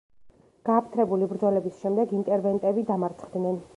გააფთრებული ბრძოლების შემდეგ ინტერვენტები დამარცხდნენ.